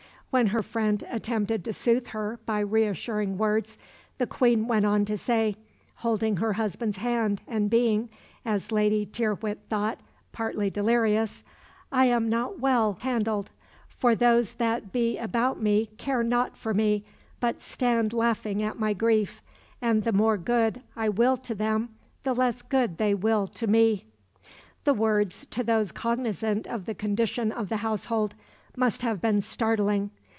When her friend attempted to soothe her by reassuring words, the Queen went on to say holding her husband's hand and being, as Lady Tyrwhitt thought, partly delirious "I am not well handled; for those that be about me care not for me, but stand laughing at my grief, and the more good I will to them the less good they will to me." The words, to those cognisant of the condition of the household, must have been startling.